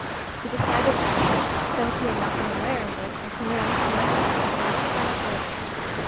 He decided that, though he had not been aware of it, his nerves must be a little out of order.